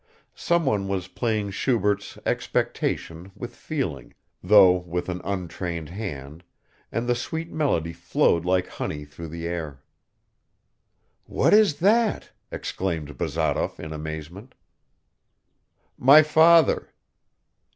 Someone was playing Schubert's Expectation with feeling, though with an untrained hand, and the sweet melody flowed like honey through the air. "What is that?" exclaimed Bazarov in amazement. "My father."